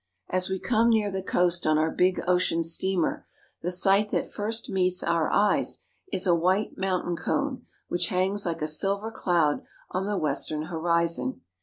As we come near the coast on our big ocean steamer, the sight that first meets our eyes is a white mountain cone which hangs like a silver cloud on the western horizon.